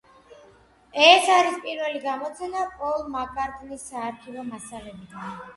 ეს არის პირველი გამოცემა პოლ მაკ-კარტნის საარქივო მასალებიდან.